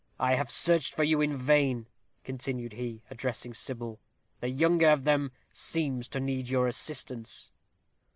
"I have searched for you in vain," continued he, addressing Sybil; "the younger of them seems to need your assistance."